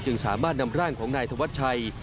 สามารถนำร่างของนายธวัชชัย